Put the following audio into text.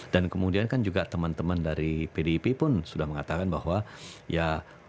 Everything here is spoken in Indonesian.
dan kemudian kan juga teman teman dari pdip pun sudah mengatakan bahwa ya